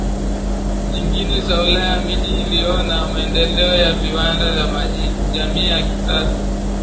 nyingine za Ulaya Miji iliona maendeleo ya viwanda na jamii ya kisasa